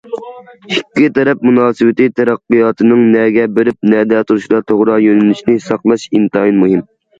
ئىككى تەرەپ مۇناسىۋىتى تەرەققىياتىنىڭ نەگە بېرىپ نەدە تۇرۇشىدا توغرا يۆنىلىشنى ساقلاش ئىنتايىن مۇھىم.